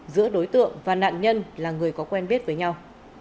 giữa đối tượng và nạn nhân là người có quen biết với nhau